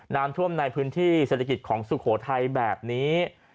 น้ำท่วมในพื้นที่เศรษฐกิจของสุโขทัยแบบนี้